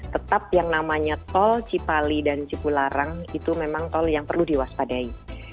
tetap yang namanya tol cipali dan cipularang itu memang tol yang perlu diwaspadai